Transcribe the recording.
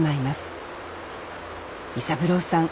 伊三郎さん